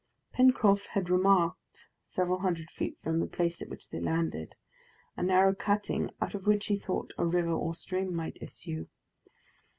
Pencroft had remarked, several hundred feet from the place at which they landed, a narrow cutting, out of which he thought a river or stream might issue.